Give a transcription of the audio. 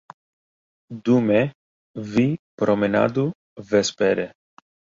Dume vi promenadu vespere.